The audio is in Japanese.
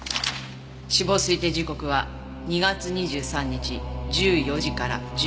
死亡推定時刻は２月２３日１４時から１５時。